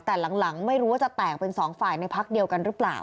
แต่หลังไม่รู้ว่าจะแตกเป็นสองฝ่ายในพักเดียวกันหรือเปล่า